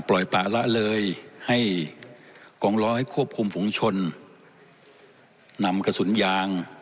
ปล่อยป่าละเลยให้กองร้อยควบคุมฝุงชนนำกระสุนยาง